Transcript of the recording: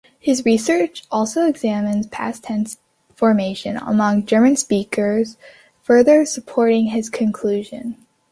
His research also examines past-tense formation among German speakers, further supporting his conclusion.